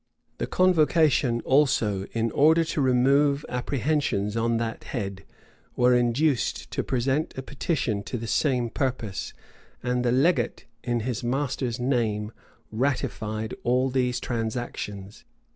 The convocation also, in order to remove apprehensions on that head, were induced to present a petition to the same purpose;[v] and the legate, in his master's name, ratified all these transactions.